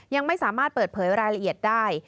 ยังไม่สามารถเปิดเผยรายละเอียดได้